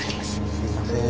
すいません